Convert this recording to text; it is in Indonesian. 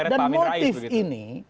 dan motif ini